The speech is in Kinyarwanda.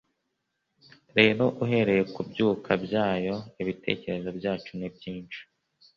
rero, uhereye kubyuka byayo, ibitekerezo byacu byinshi